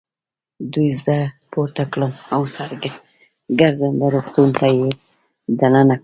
دوی زه پورته کړم او ګرځنده روغتون ته يې دننه کړم.